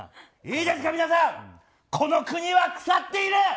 いいですか皆さんこの国は腐っている。